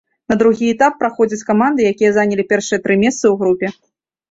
На другі этап праходзяць каманды, якія занялі першыя тры месцы ў групе.